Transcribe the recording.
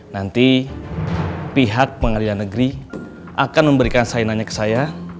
nanti pihak pengadilan negeri akan memberikan sainannya ke saya